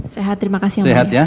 sehat terima kasih